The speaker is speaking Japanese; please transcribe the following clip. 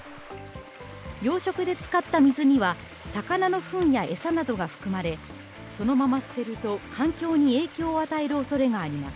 養殖で使った水には魚のふんや餌などが含まれ、そのまま捨てると、環境に影響を与えるおそれがあります。